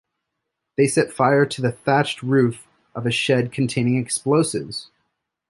They set fire to the thatched roof of a shed containing explosives.